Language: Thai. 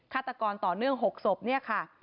ฆาตกรต่อเนื่อง๖ศพเนี่ยค่ะ